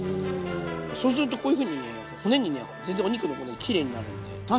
そうするとこういうふうにね骨にね全然お肉の骨きれいになるんで。